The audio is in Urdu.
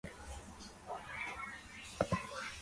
ایک کپ چائے بنادیں